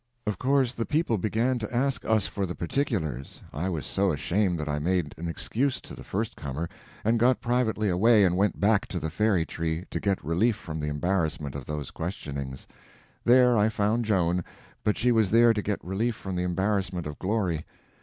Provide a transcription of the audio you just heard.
Of course the people began to ask us for the particulars. I was so ashamed that I made an excuse to the first comer, and got privately away and went back to the Fairy Tree, to get relief from the embarrassment of those questionings. There I found Joan, but she was there to get relief from the embarrassment of glory.